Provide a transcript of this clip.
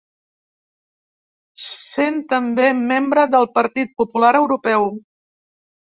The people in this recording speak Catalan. Sent també membre del Partit Popular Europeu.